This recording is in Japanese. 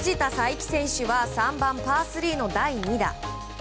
いき選手は３番、パー３の第２打。